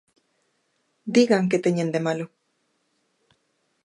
Digan que teñen de malo.